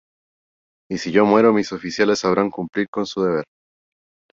Y si yo muero mis oficiales sabrán cumplir con su deber".